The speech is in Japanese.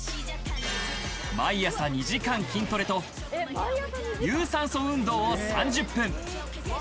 毎朝２時間筋トレと有酸素運動を３０分。